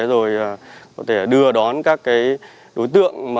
rồi có thể đưa đón các đối tượng